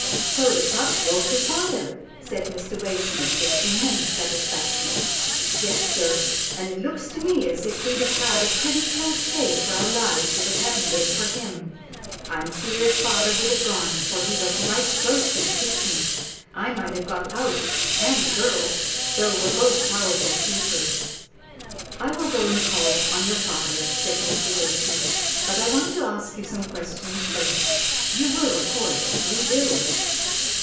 " So the pup woke your father," said Mr. Way smith with immense satisfaction. " Yes, sir, and it looks to me as if we'd have had a pretty close shave for our lives, if it hadn't been for him. I'm feared father would have gone, for he was right close to the kitchen. I might have got out and the girl, though we're both powerful sleepers." " I will go and call on your father," said Mr. Way smith, but I want to ask you some questions first — You will, of course, rebuild?"